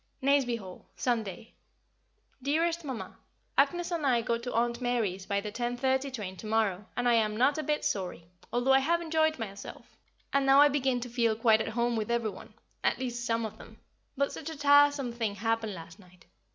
Nazeby Hall, Sunday. Dearest Mamma, Agnès and I go to Aunt Mary's by the 10:30 train to morrow, and I am not a bit sorry, although I have enjoyed myself, and now I begin to feel quite at home with every one at least, some of them; but such a tiresome thing happened last night.